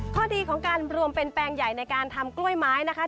ข้อดีของการรวมเป็นแปลงใหญ่ในการทำกล้วยไม้นะคะ